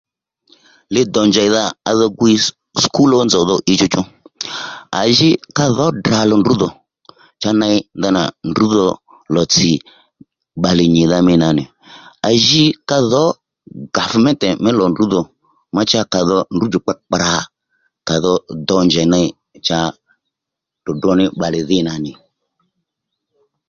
Li dò njèydha ka dho gwiy skul ó nzòw dho ǐ chúchú; À jǐ ka dhǒ Ddra lò ndrǔ dhò cha ney ndanà ndrǔ dho lò tsì bbalè nyìdha mî nà nì à ji ka dhǒ gavmente mí lò ndrǔ dhò cha ka dho ndrǔ djùkpa kprà ka dho dho njèy ney cha ddròddró ní bbalè dhî nà nì